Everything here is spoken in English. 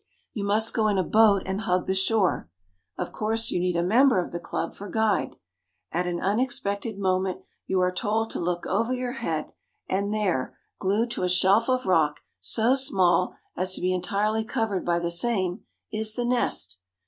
You must go in a boat and hug the shore; of course you need a member of the club for guide; at an unexpected moment you are told to look over your head, and there, glued to a shelf of rock so small as to be entirely covered by the same, is the nest!